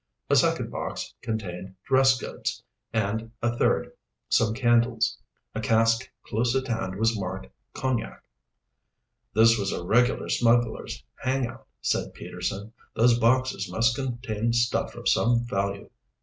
A second box contained dress goods, and a third some candles. A cask close at hand was marked "Cognac." "This was a regular smugglers' hangout," said Peterson. "Those boxes must contain stuff of some value.